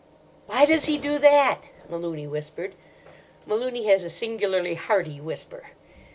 "Why does he do that?" Malooney whispered. Malooney has a singularly hearty whisper.